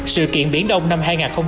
sự kiện biển đông năm hai nghìn một mươi bốn